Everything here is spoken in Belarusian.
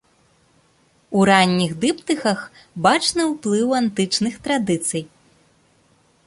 У ранніх дыптыхах бачны ўплыў антычных традыцый.